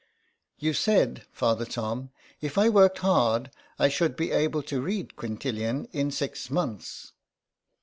" You said, Father Tom, if I worked hard I should be able to read Quintillian in six months."